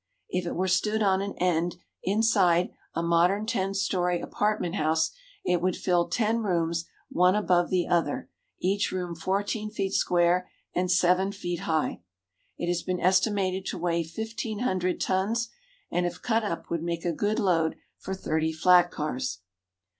If it were stood on end inside a modern ten story apartment house it would fill ten rooms one above the other, each room fourteen feet square and seven feet high. It has been estimated to weigh fifteen hundred tons and if cut up would make a good load for thirty flat cars.